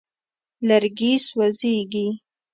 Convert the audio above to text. لرګي سوځېږي.